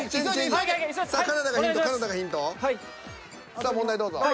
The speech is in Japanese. さあ問題どうぞ。